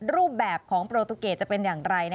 รูปแบบของโปรตูเกตจะเป็นอย่างไร